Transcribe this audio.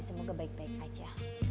semoga baik baik aja